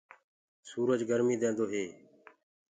سُورج گرميٚ ديندو هي۔